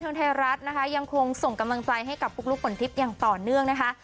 ทุกคนที่เชิญอย่างคงส่งกำลังใจให้กับปุ๊กลุ๊กปนทิตย์ยังต่อเนื่องนะคะ